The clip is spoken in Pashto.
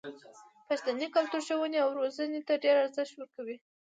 پښتني کلتور ښوونې او روزنې ته ډېر ارزښت ورکوي.